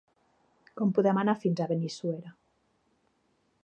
Com podem anar fins a Benissuera?